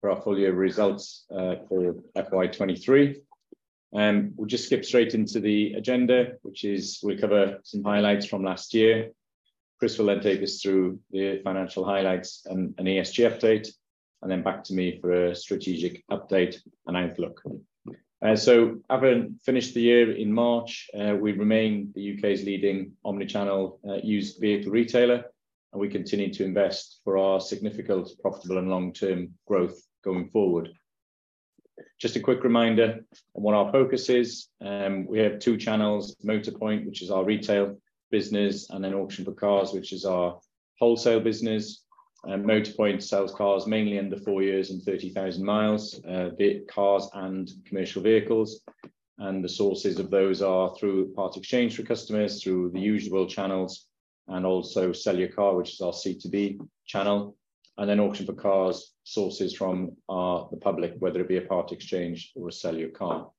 For our full year results for FY 2023. We'll just skip straight into the agenda, which is we'll cover some highlights from last year. Chris will then take us through the financial highlights and ESG update, and then back to me for a strategic update and outlook. Having finished the year in March, we remain the U.K.'s leading omnichannel used vehicle retailer, and we continue to invest for our significant, profitable, and long-term growth going forward. Just a quick reminder on what our focus is. We have two channels: Motorpoint, which is our retail business, and then Auction4Cars.com, which is our wholesale business. Motorpoint sells cars mainly under four years and 30,000 miles, be it cars and commercial vehicles. The sources of those are through part exchange for customers, through the usual channels, and also Sell Your Car, which is our C2B channel. Auction4Cars sources from the public, whether it be a part exchange or a Sell Your Car.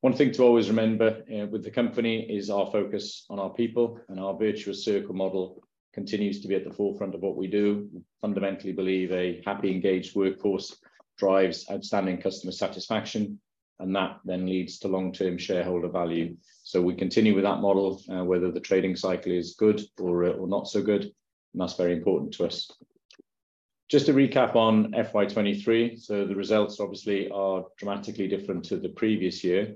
One thing to always remember with the company is our focus on our people, and our virtuous circle model continues to be at the forefront of what we do. Fundamentally believe a happy, engaged workforce drives outstanding customer satisfaction, and that then leads to long-term shareholder value. We continue with that model, whether the trading cycle is good or not so good, and that's very important to us. Just to recap on FY 2023, so the results obviously are dramatically different to the previous year.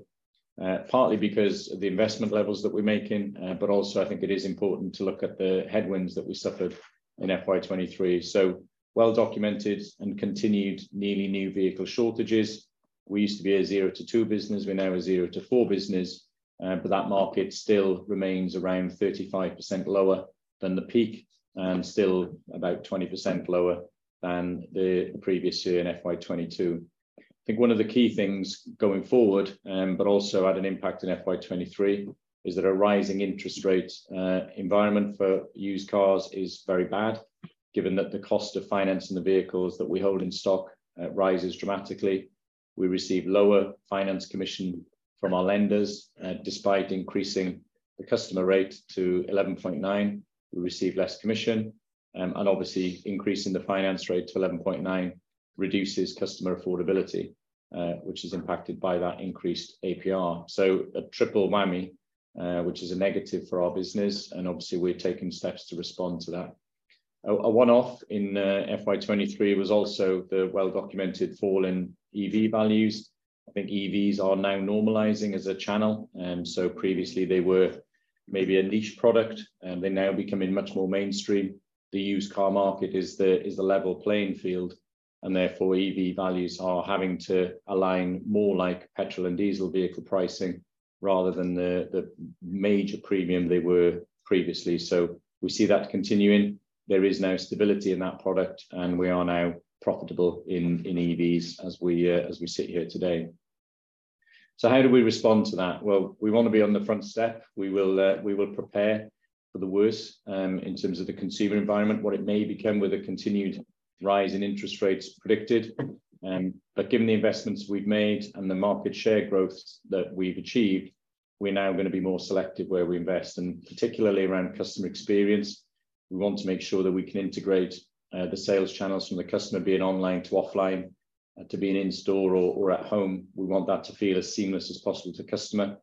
Partly because of the investment levels that we're making, but also I think it is important to look at the headwinds that we suffered in FY 2023. Well documented and continued nearly new vehicle shortages. We used to be a zero-two business. We're now a zero-four business. But that market still remains around 35% lower than the peak and still about 20% lower than the previous year in FY 2022. I think one of the key things going forward, but also had an impact in FY 2023, is that a rising interest rate environment for used cars is very bad, given that the cost of financing the vehicles that we hold in stock rises dramatically. We receive lower finance commission from our lenders. Despite increasing the customer rate to 11.9, we receive less commission. Obviously, increasing the finance rate to 11.9% reduces customer affordability, which is impacted by that increased APR. A triple whammy, which is a negative for our business, and obviously, we're taking steps to respond to that. A one-off in FY 2023 was also the well-documented fall in EV values. I think EVs are now normalizing as a channel, previously they were maybe a niche product, and they're now becoming much more mainstream. The used car market is a level playing field, and therefore, EV values are having to align more like petrol and diesel vehicle pricing rather than the major premium they were previously. We see that continuing. There is now stability in that product, and we are now profitable in EVs as we sit here today. How do we respond to that? Well, we wanna be on the front step. We will prepare for the worst in terms of the consumer environment, what it may become with a continued rise in interest rates predicted. Given the investments we've made and the market share growth that we've achieved, we're now gonna be more selective where we invest, and particularly around customer experience. We want to make sure that we can integrate the sales channels from the customer, be it online to offline, to being in store or at home. We want that to feel as seamless as possible to customer.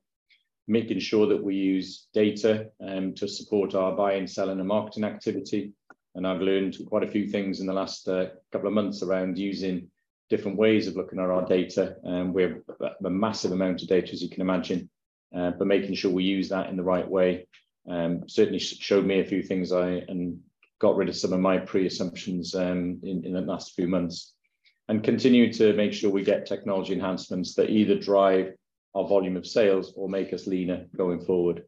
Making sure that we use data to support our buying, selling, and marketing activity. I've learned quite a few things in the last couple of months around using different ways of looking at our data. We have a massive amount of data, as you can imagine, but making sure we use that in the right way, certainly showed me a few things and got rid of some of my pre-assumptions in the last few months. Continuing to make sure we get technology enhancements that either drive our volume of sales or make us leaner going forward.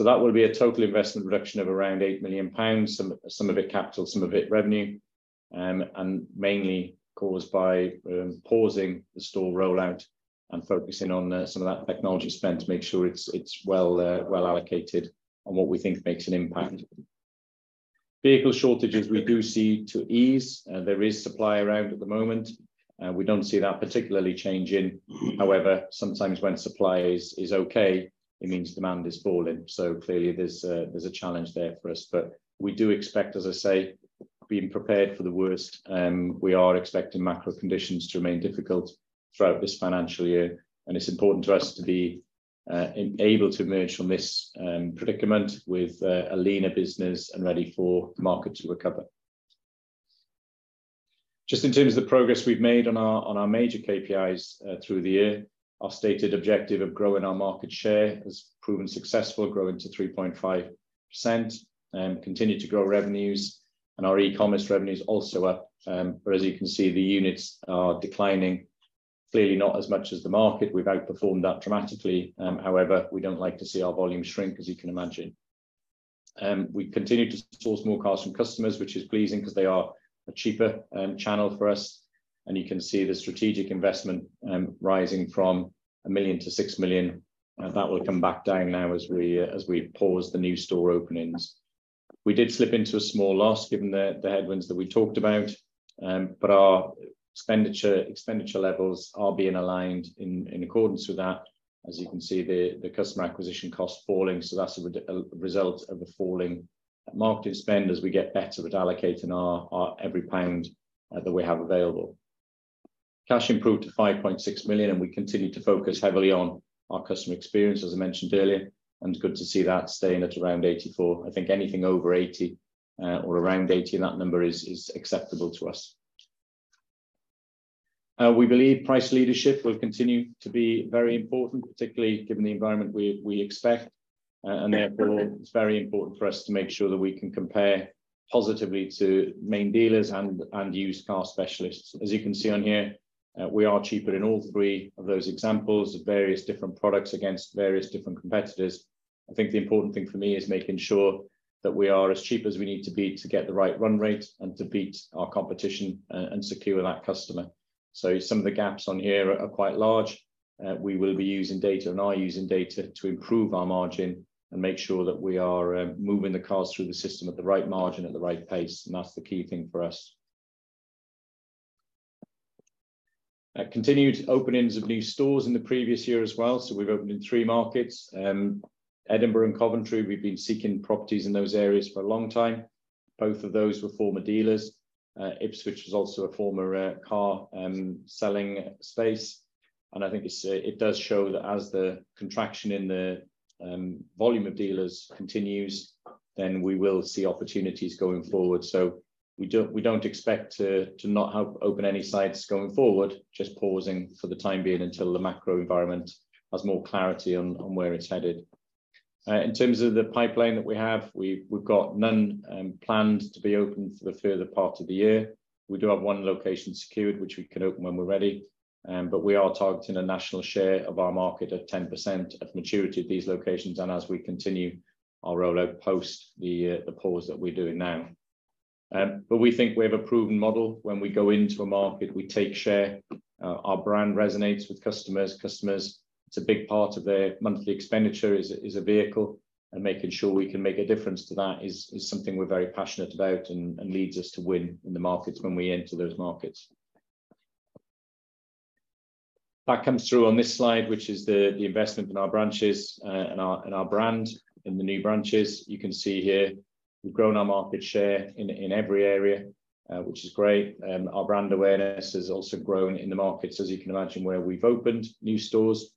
That will be a total investment reduction of around 8 million pounds, some of it capital, some of it revenue. Mainly caused by pausing the store rollout and focusing on some of that technology spend to make sure it's well allocated on what we think makes an impact. Vehicle shortages we do see to ease, and there is supply around at the moment, and we don't see that particularly changing. However, sometimes when supply is okay, it means demand is falling. Clearly, there's a, there's a challenge there for us. We do expect, as I say, being prepared for the worst, we are expecting macro conditions to remain difficult throughout this financial year. It's important to us to be able to emerge from this predicament with a leaner business and ready for the market to recover. Just in terms of the progress we've made on our, on our major KPIs, through the year, our stated objective of growing our market share has proven successful, growing to 3.5%, continued to grow revenues, and our e-commerce revenue is also up. As you can see, the units are declining. Clearly, not as much as the market. We've outperformed that dramatically. We don't like to see our volume shrink, as you can imagine. We continue to source more cars from customers, which is pleasing 'cause they are a cheaper channel for us. You can see the strategic investment rising from 1 million to 6 million, and that will come back down now as we pause the new store openings. We did slip into a small loss, given the headwinds that we talked about, our expenditure levels are being aligned in accordance with that. As you can see, the customer acquisition cost falling, that's a result of the falling. That marketing spend as we get better at allocating our every pound that we have available. Cash improved to 5.6 million. We continued to focus heavily on our customer experience, as I mentioned earlier. Good to see that staying at around 84. I think anything over 80 or around 80, that number is acceptable to us. We believe price leadership will continue to be very important, particularly given the environment we expect. Therefore, it's very important for us to make sure that we can compare positively to main dealers and used car specialists. As you can see on here, we are cheaper in all three of those examples of various different products against various different competitors. I think the important thing for me is making sure that we are as cheap as we need to be to get the right run rate and to beat our competition, and secure that customer. Some of the gaps on here are quite large. We will be using data and are using data to improve our margin and make sure that we are moving the cars through the system at the right margin, at the right pace, and that's the key thing for us. Continued openings of new stores in the previous year as well, so we've opened in three markets. Edinburgh and Coventry, we've been seeking properties in those areas for a long time. Both of those were former dealers. Ipswich was also a former car selling space, and I think it does show that as the contraction in the volume of dealers continues, then we will see opportunities going forward. We don't expect to not have open any sites going forward, just pausing for the time being until the macro environment has more clarity on where it's headed. In terms of the pipeline that we have, we've got none planned to be opened for the further part of the year. We do have one location secured, which we can open when we're ready. We are targeting a national share of our market at 10% at maturity of these locations, and as we continue our rollout post the pause that we're doing now. We think we have a proven model. When we go into a market, we take share. Our brand resonates with customers. Customers, it's a big part of their monthly expenditure is a vehicle, and making sure we can make a difference to that is something we're very passionate about and leads us to win in the markets when we enter those markets. That comes through on this slide, which is the investment in our branches and our brand. In the new branches, you can see here, we've grown our market share in every area, which is great. Our brand awareness has also grown in the markets, as you can imagine, where we've opened new stores.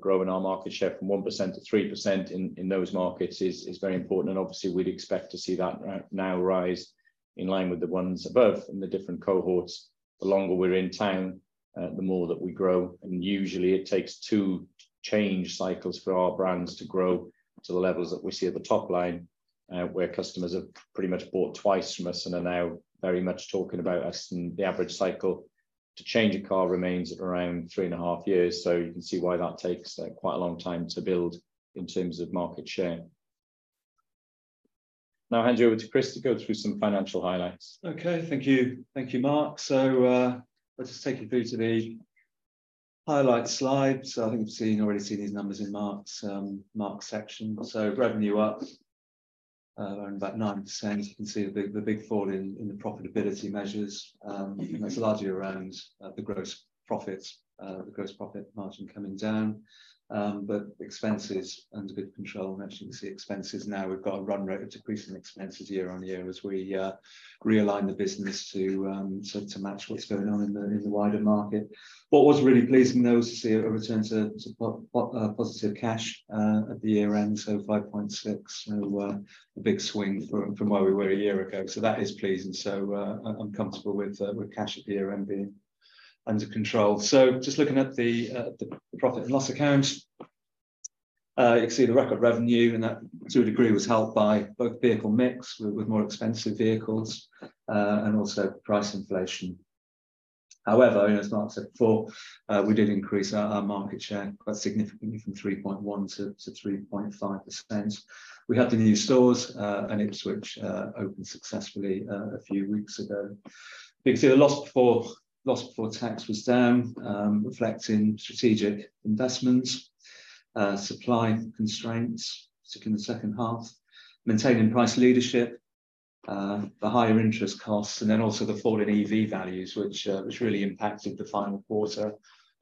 Growing our market share from 1% to 3% in those markets is very important, and obviously, we'd expect to see that now rise in line with the ones above in the different cohorts. The longer we're in town, the more that we grow, and usually it takes two change cycles for our brands to grow to the levels that we see at the top line, where customers have pretty much bought twice from us and are now very much talking about us. The average cycle to change a car remains at around three and a half years, so you can see why that takes quite a long time to build in terms of market share. I'll hand you over to Chris to go through some financial highlights. Okay. Thank you. Thank you, Mark. Let's just take you through to the highlight slide. I think you've seen, already seen these numbers in Mark's section. Revenue up around about 9%. You can see the big fall in the profitability measures. That's largely around the gross profits, the gross profit margin coming down. Expenses under good control. As you can see, expenses now, we've got a run rate of decreasing expenses year on year as we realign the business to match what's going on in the wider market. What was really pleasing, though, was to see a return to positive cash at the year end, so 5.6. A big swing from where we were a year ago. That is pleasing, so I'm comfortable with cash at the year end being under control. Just looking at the profit and loss account, you can see the record revenue, and that, to a degree, was helped by both vehicle mix with more expensive vehicles and also price inflation. However, as Mark said before, we did increase our market share quite significantly from 3.1% - 3.5%. We had the new stores and Ipswich opened successfully a few weeks ago. You can see the loss before tax was down, reflecting strategic investments, supply constraints in the second half, maintaining price leadership, the higher interest costs, and then also the fall in EV values, which really impacted the final quarter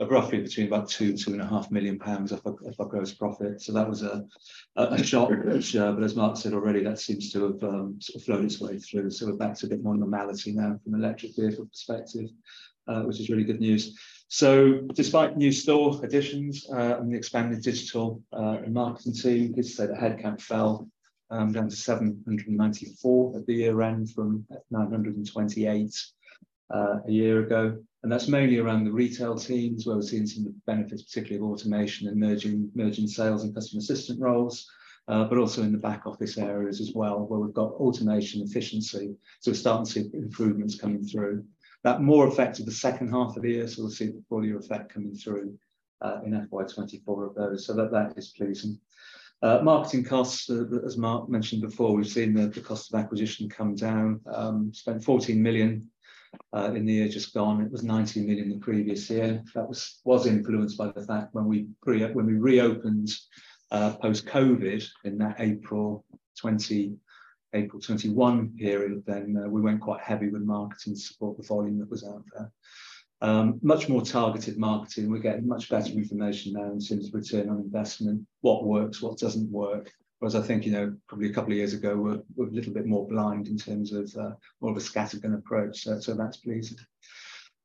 of roughly between about 2 million-2.5 million pounds of gross profit. That was a shock, but as Mark said already, that seems to have sort of flowed its way through. We're back to a bit more normality now from an electric vehicle perspective, which is really good news. Despite new store additions, and the expanded digital marketing team, good to say the headcount fell down to 794 at the year end from 928 a year ago. That's mainly around the retail teams, where we're seeing some benefits, particularly of automation and merging sales and customer assistant roles, but also in the back office areas as well, where we've got automation efficiency. We're starting to see improvements coming through. That more effect of the second half of the year, so we'll see the full year effect coming through in FY 2024 of those. That is pleasing. Marketing costs, as Mark mentioned before, we've seen the cost of acquisition come down. Spent 14 million in the year just gone. It was 19 million the previous year. That was influenced by the fact when we reopened post-COVID in that April 20, April 21 period, then we went quite heavy with marketing to support the volume that was out there. Much more targeted marketing. We're getting much better information now in terms of return on investment, what works, what doesn't work. Whereas I think, you know, probably a couple of years ago, we were a little bit more blind in terms of more of a scattergun approach. That's pleasing.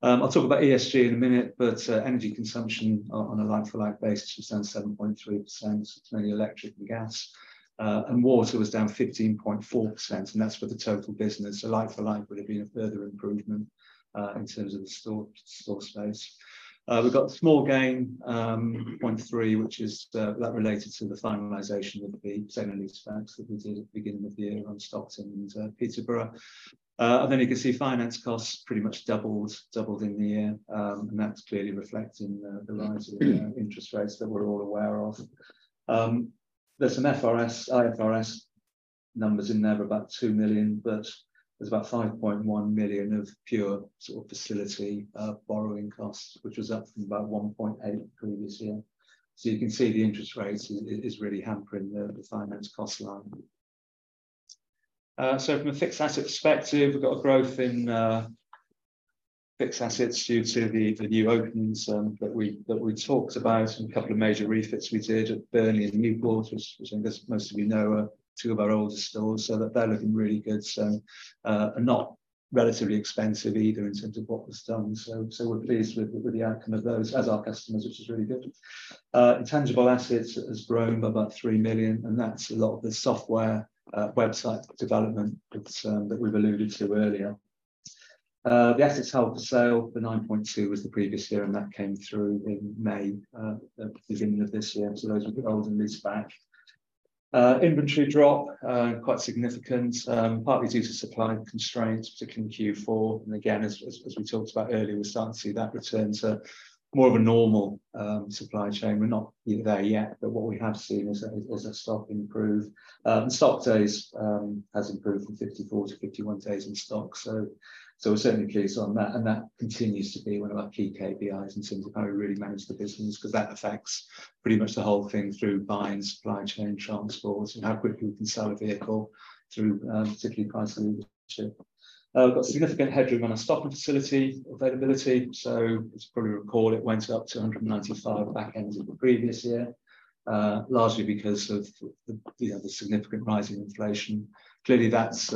I'll talk about ESG in a minute, but energy consumption on a like-for-like basis was down 7.3%, mainly electric and gas. And water was down 15.4%, and that's for the total business. Like-for-like would have been a further improvement in terms of the store space. We've got a small gain, 0.3, which is that related to the finalization of the sale and leasebacks that we did at the beginning of the year on Stockton and Peterborough. You can see finance costs pretty much doubled in the year. That's clearly reflecting the rise in interest rates that we're all aware of. There's some FRS, IFRS numbers in there of about 2 million, but there's about 5.1 million of pure sort of facility borrowing costs, which was up from about 1.8 million the previous year. You can see the interest rate is really hampering the finance cost line. From a fixed asset perspective, we've got a growth in fixed assets due to the new openings that we talked about, and a couple of major refits we did at Burnley and Newport, which I guess most of you know are two of our oldest stores. That they're looking really good, so, and not relatively expensive either in terms of what was done. We're pleased with the outcome of those, as are customers, which is really good. Intangible assets has grown by about 3 million, and that's a lot of the software, website development that we've alluded to earlier. The assets held for sale, the 9.2 was the previous year, and that came through in May, at the beginning of this year. Those were the old leaseback. Inventory drop, quite significant, partly due to supply constraints, particularly in Q4. Again, as we talked about earlier, we're starting to see that return to more of a normal, supply chain. We're not there yet, but what we have seen is a stock improve. Stock days has improved from 54 to 51 days in stock, so we're certainly pleased on that, and that continues to be one of our key KPIs in terms of how we really manage the business, 'cause that affects pretty much the whole thing through buying, supply chain, transport, and how quickly we can sell a vehicle through particularly pricing. We've got significant headroom on our stocking facility availability. As you probably recall, it went up to 195 back end of the previous year, largely because of the significant rise in inflation. Clearly, that's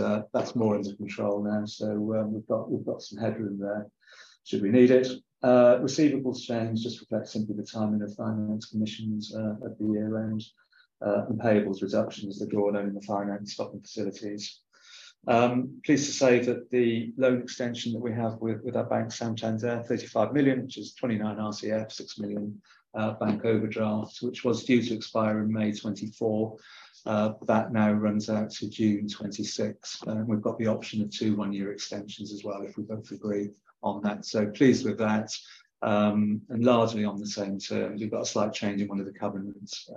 more under control now, we've got some headroom there should we need it. Receivables change just reflects simply the timing of finance commissions at the year end and payables reductions, the draw down in the finance stocking facilities. Pleased to say that the loan extension that we have with our bank, Santander, 35 million, which is 29 million RCF, 6 million bank overdraft, which was due to expire in May 2024, that now runs out to June 2026. We've got the option of two one-year extensions as well, if we both agree on that. Pleased with that, and largely on the same terms. We've got a slight change in one of the covenants.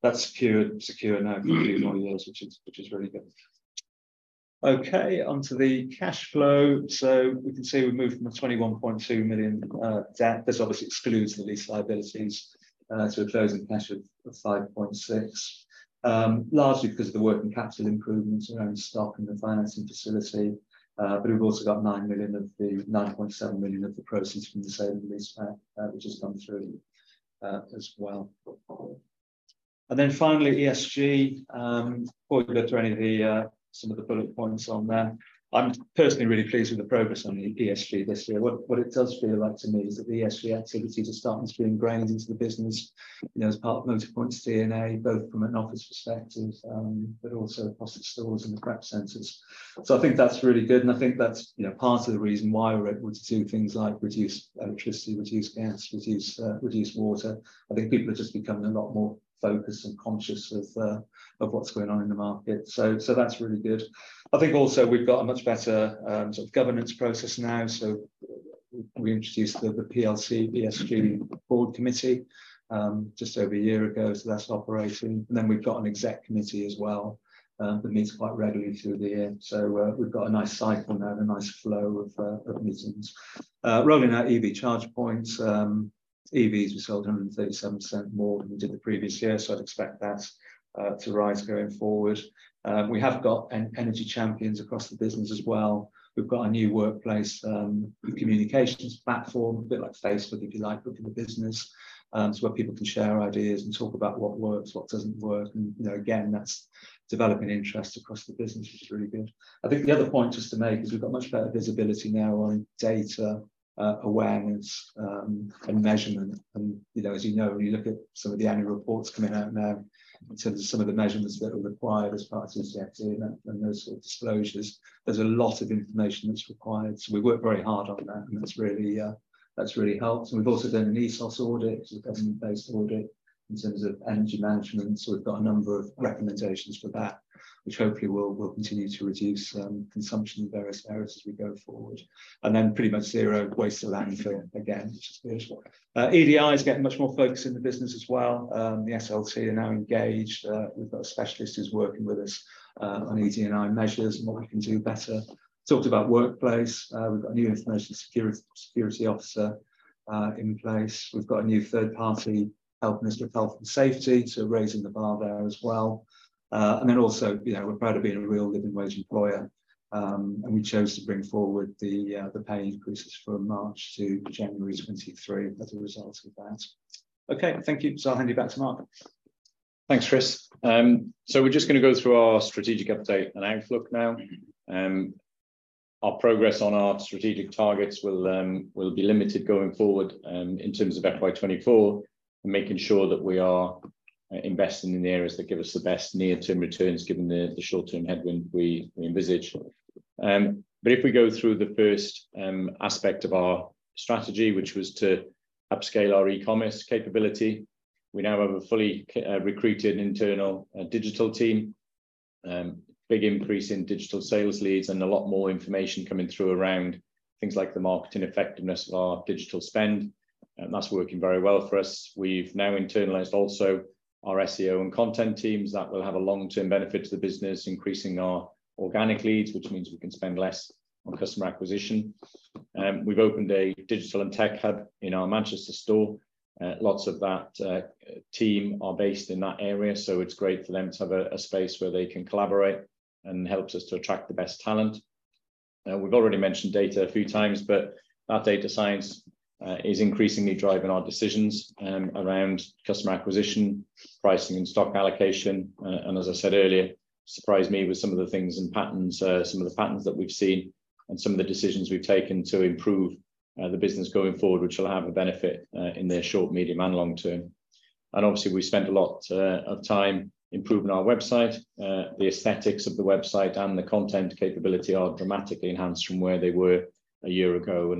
That's secure now for a few more years, which is really good. Okay, onto the cash flow. We can see we've moved from a 21.2 million debt, this obviously excludes the lease liabilities, to a closing cash of 5.6. Largely because of the working capital improvements around stock and the financing facility, but we've also got 9.7 million of the proceeds from the sale of the leaseback, which has come through as well. Finally, ESG. Before we go through any of the some of the bullet points on there, I'm personally really pleased with the progress on the ESG this year. What it does feel like to me is that the ESG activities are starting to be ingrained into the business, you know, as part of Motorpoint's DNA, both from an office perspective, but also across the stores and the prep centers. I think that's really good, and I think that's, you know, part of the reason why we're able to do things like reduce electricity, reduce gas, reduce water. I think people are just becoming a lot more focused and conscious of what's going on in the market. That's really good. I think also we've got a much better sort of governance process now. We introduced the PLC ESG board committee just over one year ago, so that's operating. Then we've got an exec committee as well that meets quite regularly through the year. We've got a nice cycle now and a nice flow of meetings. Rolling out EV charge points. EVs, we sold 137% more than we did the previous year, so I'd expect that to rise going forward. We have got energy champions across the business as well. We've got a new workplace communications platform, a bit like Facebook, if you like, within the business. It's where people can share ideas and talk about what works, what doesn't work, and, you know, again, that's developing interest across the business, which is really good. I think the other point just to make is we've got much better visibility now on data awareness and measurement. You know, as you know, when you look at some of the annual reports coming out now, in terms of some of the measurements that are required as part of CSRD and those sort of disclosures, there's a lot of information that's required. We work very hard on that, and that's really, that's really helped. We've also done an ESOS audit, which is a government-based audit, in terms of energy management. We've got a number of recommendations for that, which hopefully will continue to reduce consumption in various areas as we go forward. Then pretty much zero waste to landfill again, which is good. EDI is getting much more focus in the business as well. The SLT are now engaged. We've got a specialist who's working with us, on EDI measures and what we can do better. Talked about workplace. We've got a new information security officer, in place. We've got a new third-party, [health minister of health and safety] so raising the bar there as well. Also, you know, we're proud of being a Real Living Wage employer, we chose to bring forward the pay increases from March to January 2023 as a result of that. Okay, thank you. I'll hand you back to Mark. Thanks, Chris. We're just going to go through our strategic update and outlook now. Our progress on our strategic targets will be limited going forward, in terms of FY 2024, and making sure that we are investing in the areas that give us the best near-term returns, given the short-term headwind we envisage. If we go through the first aspect of our strategy, which was to upscale our e-commerce capability, we now have a fully recruited internal digital team. Big increase in digital sales leads, and a lot more information coming through around things like the marketing effectiveness of our digital spend, and that's working very well for us. We've now internalized also our SEO and content teams. That will have a long-term benefit to the business, increasing our organic leads, which means we can spend less on customer acquisition. We've opened a digital and tech hub in our Manchester store. Lots of that team are based in that area, so it's great for them to have a space where they can collaborate and helps us to attract the best talent. We've already mentioned data a few times, but our data science is increasingly driving our decisions around customer acquisition, pricing, and stock allocation. As I said earlier, surprised me with some of the things and patterns, some of the patterns that we've seen and some of the decisions we've taken to improve the business going forward, which will have a benefit in the short, medium, and long term. Obviously, we spent a lot of time improving our website. The aesthetics of the website and the content capability are dramatically enhanced from where they were a year ago,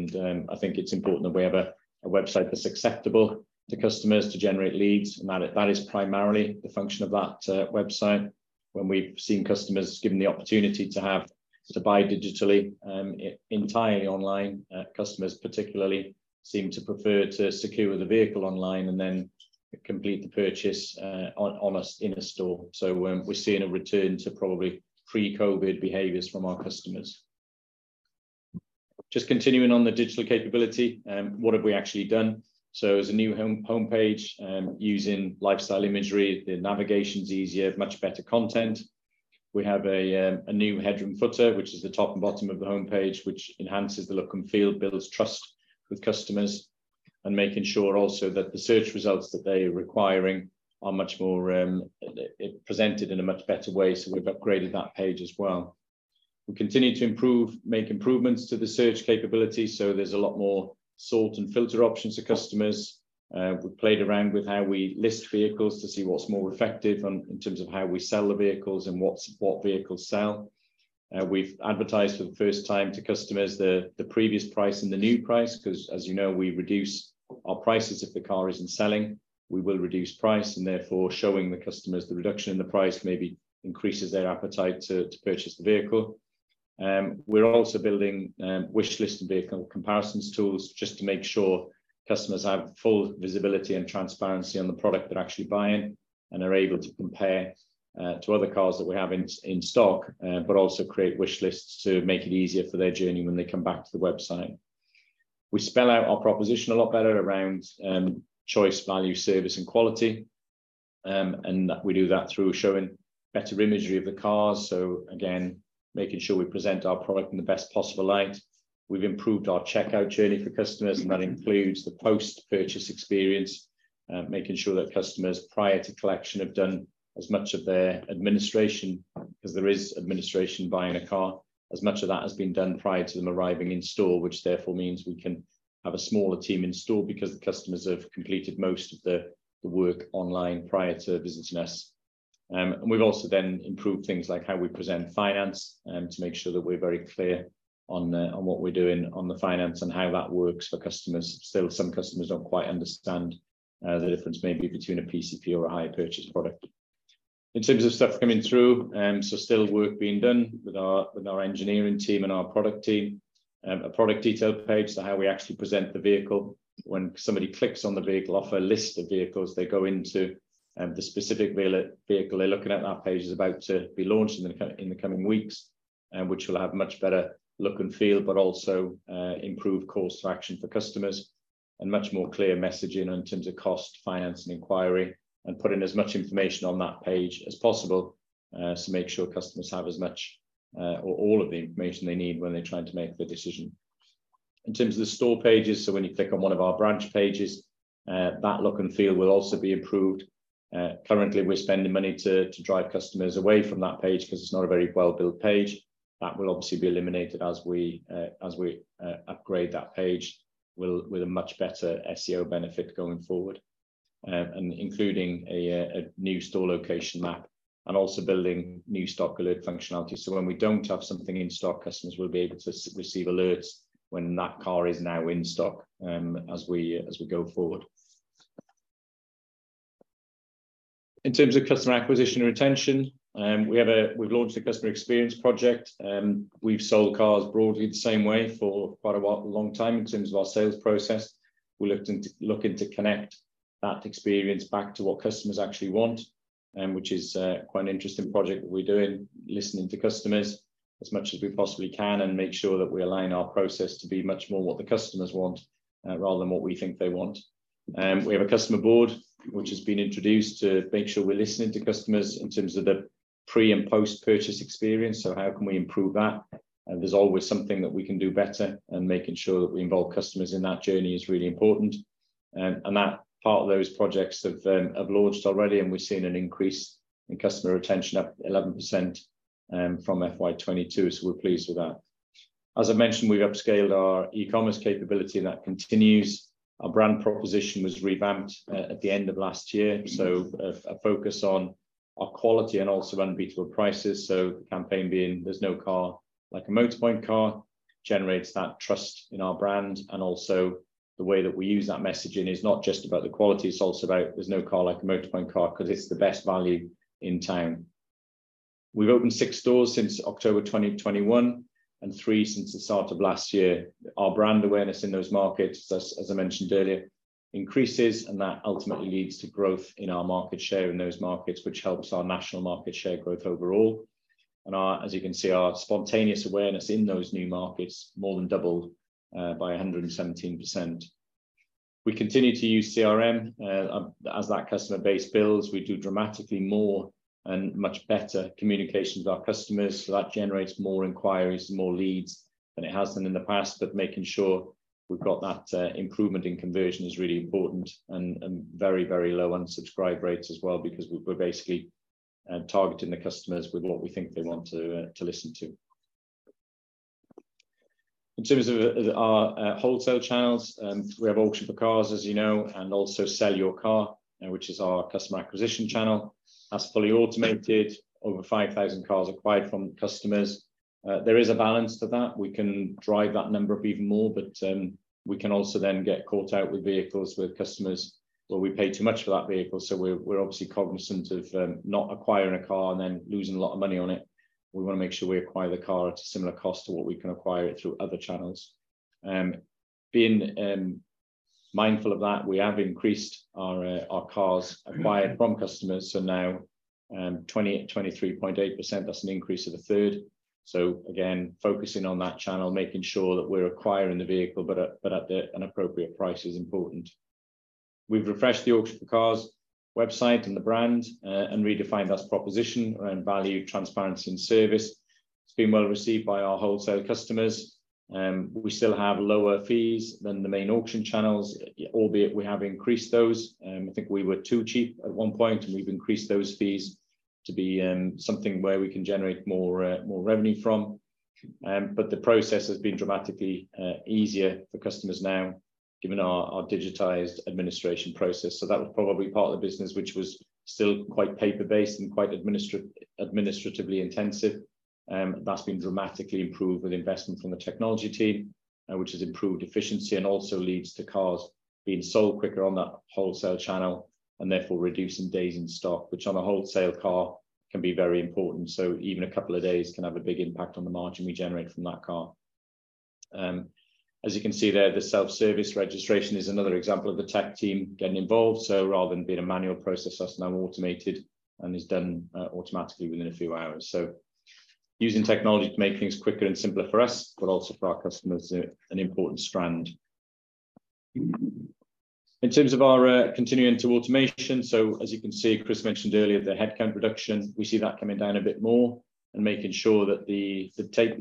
I think it's important that we have a website that's acceptable to customers to generate leads, and that is primarily the function of that website. When we've seen customers given the opportunity to have to buy digitally, entirely online, customers particularly seem to prefer to secure the vehicle online and then complete the purchase in a store. We're seeing a return to probably pre-COVID behaviors from our customers. Just continuing on the digital capability, what have we actually done? As a new home page, using lifestyle imagery, the navigation's easier, much better content. We have a new headroom footer, which is the top and bottom of the homepage, which enhances the look and feel, builds trust with customers, and making sure also that the search results that they are requiring are much more presented in a much better way. We've upgraded that page as well. We continue to improve, make improvements to the search capability. There's a lot more sort and filter options to customers. We've played around with how we list vehicles to see what's more effective in terms of how we sell the vehicles and what vehicles sell. We've advertised for the first time to customers the previous price and the new price, 'cause as you know, we reduce our prices if the car isn't selling. We will reduce price, showing the customers the reduction in the price maybe increases their appetite to purchase the vehicle. We're also building wish list and vehicle comparisons tools just to make sure customers have full visibility and transparency on the product they're actually buying and are able to compare to other cars that we have in stock. Also create wish lists to make it easier for their journey when they come back to the website. We spell out our proposition a lot better around choice, value, service, and quality. That we do that through showing better imagery of the cars. Again, making sure we present our product in the best possible light. We've improved our checkout journey for customers, that includes the post-purchase experience. Making sure that customers, prior to collection, have done as much of their administration, 'cause there is administration buying a car. As much of that has been done prior to them arriving in store, which therefore means we can have a smaller team in store because the customers have completed most of the work online prior to visiting us. We've also then improved things like how we present finance to make sure that we're very clear on what we're doing on the finance and how that works for customers. Still, some customers don't quite understand the difference maybe between a PCP or a hire purchase product. In terms of stuff coming through, still work being done with our engineering team and our product team. A product detail page to how we actually present the vehicle. When somebody clicks on the vehicle off a list of vehicles, they go into the specific vehicle they're looking at. That page is about to be launched in the coming weeks, which will have much better look and feel, but also improve calls to action for customers and much more clear messaging in terms of cost, finance, and inquiry. Putting as much information on that page as possible, so make sure customers have as much or all of the information they need when they're trying to make the decision. In terms of the store pages, so when you click on one of our branch pages, that look and feel will also be improved. Currently, we're spending money to drive customers away from that page 'cause it's not a very well-built page. That will obviously be eliminated as we upgrade that page with a much better SEO benefit going forward. Including a new store location map and also building new stock alert functionality. When we don't have something in stock, customers will be able to receive alerts when that car is now in stock as we go forward. In terms of customer acquisition and retention, We've launched a customer experience project. We've sold cars broadly the same way for quite a while, a long time, in terms of our sales process. We're looking to connect that experience back to what customers actually want, which is quite an interesting project that we're doing. Listening to customers as much as we possibly can and make sure that we align our process to be much more what the customers want, rather than what we think they want. We have a customer board, which has been introduced to make sure we're listening to customers in terms of the pre- and post-purchase experience. How can we improve that? There's always something that we can do better, and making sure that we involve customers in that journey is really important. That part of those projects have launched already, and we've seen an increase in customer retention up 11%, from FY 2022, so we're pleased with that. As I mentioned, we've upscaled our e-commerce capability, and that continues. Our brand proposition was revamped at the end of last year, so a focus on our quality and also unbeatable prices. The campaign being, "There's no car like a Motorpoint car," generates that trust in our brand, and also the way that we use that messaging is not just about the quality. It's also about there's no car like a Motorpoint car, 'cause it's the best value in town. We've opened six stores since October 2021, and three since the start of last year. Our brand awareness in those markets, as I mentioned earlier, increases, and that ultimately leads to growth in our market share in those markets, which helps our national market share growth overall. Our, as you can see, our spontaneous awareness in those new markets more than doubled by 117%. We continue to use CRM, as that customer base builds. We do dramatically more and much better communication with our customers, that generates more inquiries, more leads than it has done in the past. Making sure we've got that improvement in conversion is really important and very, very low unsubscribe rates as well, because we're basically targeting the customers with what we think they want to listen to. In terms of our wholesale channels, we have Auction4Cars, as you know, and also Sell Your Car, which is our customer acquisition channel. That's fully automated. Over 5,000 cars acquired from customers. There is a balance to that. We can drive that number up even more, but we can also then get caught out with vehicles, with customers, where we pay too much for that vehicle. We're obviously cognizant of not acquiring a car and then losing a lot of money on it. We wanna make sure we acquire the car at a similar cost to what we can acquire it through other channels. Being mindful of that, we have increased our cars acquired from customers, so now, 23.8%, that's an increase of a third. Again, focusing on that channel, making sure that we're acquiring the vehicle, but at an appropriate price is important. We've refreshed the Auction4Cars.com website and the Auction4Cars brand and redefined our proposition around value, transparency, and service. It's been well-received by our wholesale customers. We still have lower fees than the main auction channels, albeit we have increased those. I think we were too cheap at one point, and we've increased those fees to be something where we can generate more revenue from. The process has been dramatically easier for customers now, given our digitized administration process. That was probably part of the business, which was still quite paper-based and quite administratively intensive. That's been dramatically improved with investment from the technology team, which has improved efficiency and also leads to cars being sold quicker on that wholesale channel, and therefore reducing days in stock, which on a wholesale car can be very important. Even a couple of days can have a big impact on the margin we generate from that car. As you can see there, the self-service registration is another example of the tech team getting involved. Rather than being a manual process, that's now automated and is done automatically within a few hours. Using technology to make things quicker and simpler for us, but also for our customers, an important strand. In terms of our continuing to automation, as you can see, Chris mentioned earlier the headcount reduction. We see that coming down a bit more and making sure that the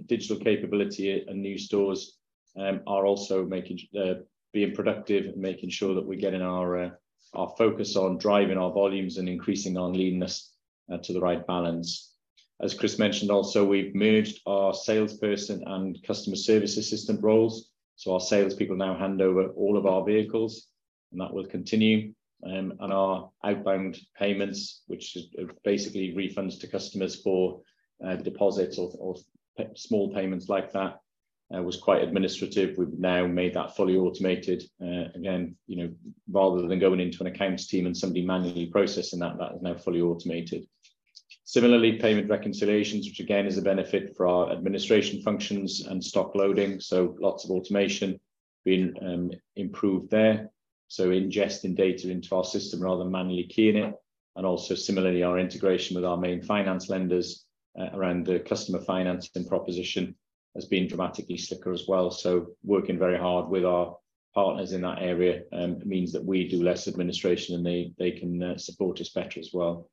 digital capability and new stores are also making sure being productive and making sure that we're getting our focus on driving our volumes and increasing our leanness to the right balance. As Chris mentioned also, we've merged our salesperson and customer service assistant roles, so our salespeople now hand over all of our vehicles, and that will continue. Our outbound payments, which is, basically refunds to customers for, deposits or, small payments like that, was quite administrative. We've now made that fully automated. Again, you know, rather than going into an accounts team and somebody manually processing that is now fully automated. Similarly, payment reconciliations, which again, is a benefit for our administration functions and stock loading, so lots of automation being, improved there. Ingesting data into our system rather than manually keying it. Also similarly, our integration with our main finance lenders around the customer financing proposition has been dramatically slicker as well. Working very hard with our partners in that area, means that we do less administration, and they can support us better as well.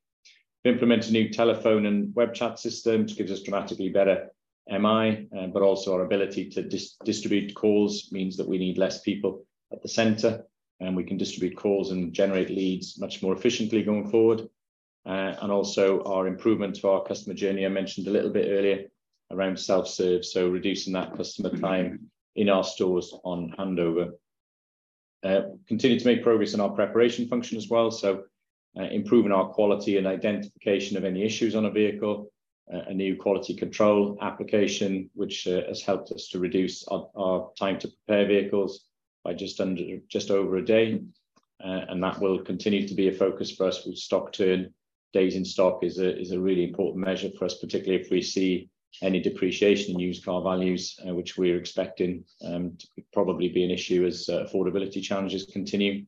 We've implemented a new telephone and web chat system, which gives us dramatically better MI, but also our ability to distribute calls means that we need less people at the center, and we can distribute calls and generate leads much more efficiently going forward. And also our improvement to our customer journey, I mentioned a little bit earlier, around self-serve, so reducing that customer time in our stores on handover. Continued to make progress on our preparation function as well, so improving our quality and identification of any issues on a vehicle. A new quality control application, which has helped us to reduce our time to prepare vehicles by just under, just over a day. That will continue to be a focus for us with stock turn. Days in stock is a really important measure for us, particularly if we see any depreciation in used car values, which we're expecting to probably be an issue as affordability challenges continue.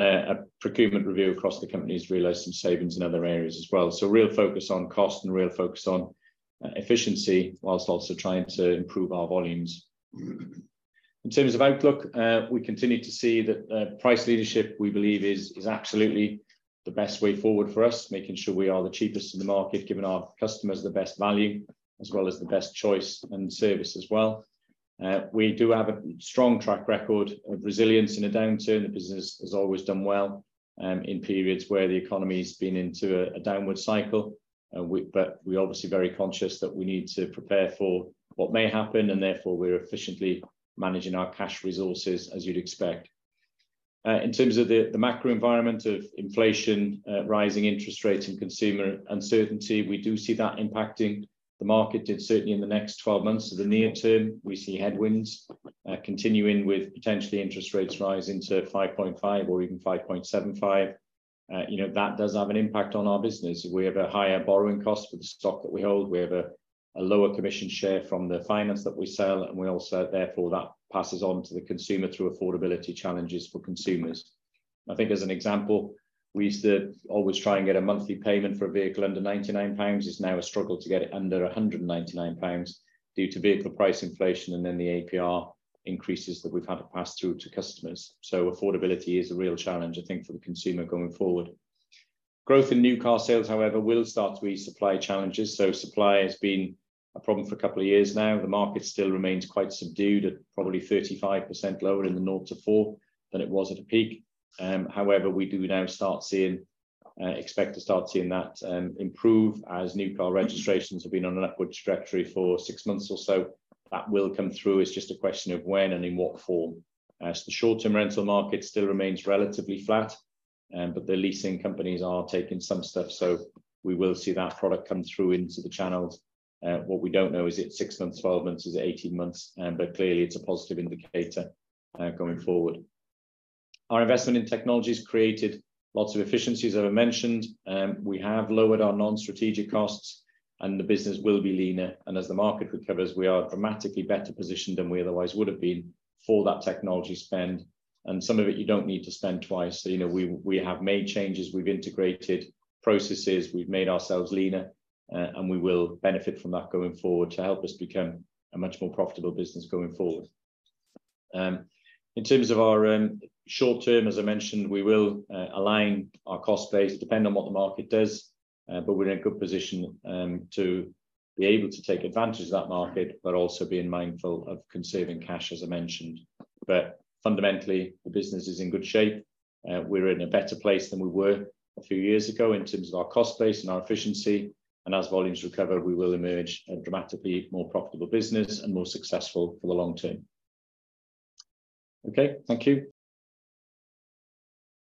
A procurement review across the company's realized some savings in other areas as well. Real focus on cost and real focus on efficiency, whilst also trying to improve our volumes. In terms of outlook, we continue to see that price leadership, we believe, is absolutely the best way forward for us, making sure we are the cheapest in the market, giving our customers the best value, as well as the best choice and service as well. We do have a strong track record of resilience in a downturn. The business has always done well, in periods where the economy's been into a downward cycle. But we're obviously very conscious that we need to prepare for what may happen, and therefore, we're efficiently managing our cash resources, as you'd expect. In terms of the macro environment of inflation, rising interest rates and consumer uncertainty, we do see that impacting the market, and certainly in the next 12 months. The near term, we see headwinds continuing, with potentially interest rates rising to 5.5% or even 5.75%. You know, that does have an impact on our business. We have a higher borrowing cost for the stock that we hold. We have a lower commission share from the finance that we sell. Therefore, that passes on to the consumer through affordability challenges for consumers. I think as an example, we used to always try and get a monthly payment for a vehicle under 99 pounds. It's now a struggle to get it under 199 pounds due to vehicle price inflation and the APR increases that we've had to pass through to customers. Affordability is a real challenge, I think, for the consumer going forward. Growth in new car sales, however, will start to ease supply challenges. Supply has been a problem for a couple of years now. The market still remains quite subdued at probably 35% lower in the zero-four than it was at a peak. However, we do now start seeing, expect to start seeing that improve as new car registrations have been on an upward trajectory for six months or so. That will come through. It's just a question of when and in what form. The short-term rental market still remains relatively flat, but the leasing companies are taking some steps, so we will see that product come through into the channels. What we don't know, is it six months, 12 months? Is it 18 months? Clearly, it's a positive indicator going forward. Our investment in technology has created lots of efficiencies, as I mentioned. We have lowered our non-strategic costs, and the business will be leaner. As the market recovers, we are dramatically better positioned than we otherwise would have been for that technology spend. Some of it you don't need to spend twice. You know, we have made changes, we've integrated processes, we've made ourselves leaner, and we will benefit from that going forward to help us become a much more profitable business going forward. In terms of our short term, as I mentioned, we will align our cost base, depending on what the market does, but we're in a good position to be able to take advantage of that market, but also being mindful of conserving cash, as I mentioned. Fundamentally, the business is in good shape. We're in a better place than we were a few years ago in terms of our cost base and our efficiency, and as volumes recover, we will emerge a dramatically more profitable business and more successful for the long term. Okay, thank you.